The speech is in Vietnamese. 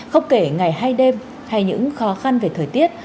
không kể ngày hay đêm hay những khó khăn về thời tiết